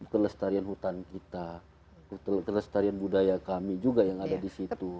kelestarian hutan kita kelestarian budaya kami juga yang ada di situ